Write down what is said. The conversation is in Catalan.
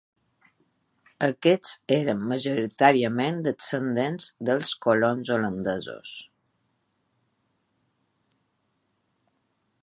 Aquests eren majoritàriament descendents dels colons holandesos.